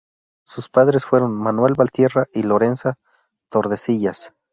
Sus padres fueron Manuel Valtierra y Lorenza Tordesillas.